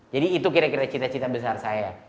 jadi itu kira kira cita cita besar saya